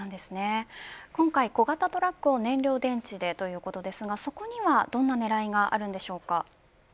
今回小型トラックを燃料電池でということですがそこにはどんな狙いがあるんでしょうか。